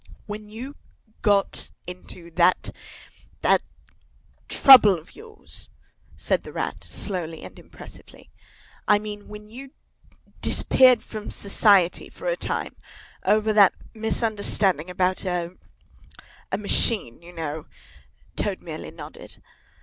"When you—got—into that—that—trouble of yours," said the Rat, slowly and impressively; "I mean, when you—disappeared from society for a time, over that misunderstanding about a—a machine, you know—" Toad merely nodded.